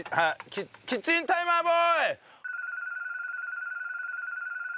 キッチンタイマーボーイ！